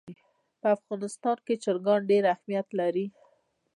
په افغانستان کې چرګان ډېر اهمیت لري.